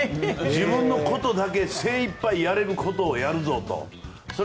自分のことだけ精いっぱいやれることをやるぞという。